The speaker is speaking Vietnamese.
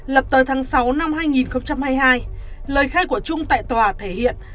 lập tới tháng sáu năm hai nghìn hai mươi hai lời khai của trung tại tòa thể hiện